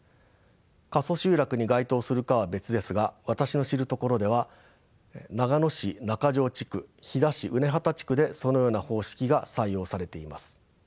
過疎集落に該当するかは別ですが私の知るところでは長野市中条地区飛騨市畦畑地区でそのような方式が採用されています。